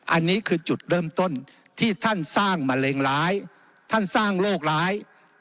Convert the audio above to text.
อันนี้คือจุดเริ่มต้นที่ท่านสร้างมะเร็งร้ายท่านสร้างโรคร้าย